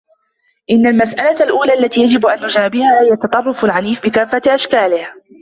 إن المسألة الأولى التي يجب أن نجابهها هي التطرف العنيف بكافة أشكاله.